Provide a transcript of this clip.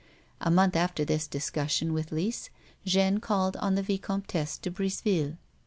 A month after this discussion with Lise, Jeanne called on the Vicom tesse de Briseville.